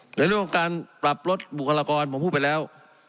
ในเรื่องของการปรับลดบุคลากรผมพูดไปแล้ว